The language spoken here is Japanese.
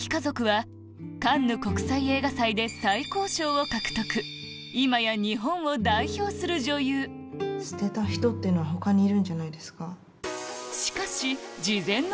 映画今や日本を代表する女優捨てた人っていうのは他にいるんじゃないですか？